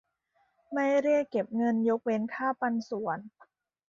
ไม่เรียกเก็บเงิน ยกเว้นค่าปันส่วน